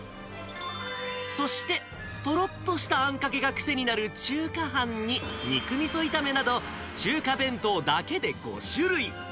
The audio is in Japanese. そして、とろっとしたあんかけが癖になる中華飯に肉みそ炒めなど、中華弁当だけで５種類。